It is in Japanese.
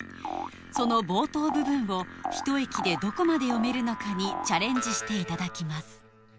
その冒頭部分をひと息でどこまで読めるのかにチャレンジしていただきます